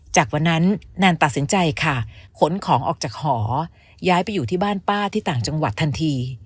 จากวันนั้นนานตัดสินใจค่ะขนของออกจากหอย้ายไปอยู่ที่บ้านป้าที่ต่างจังหวัดทันที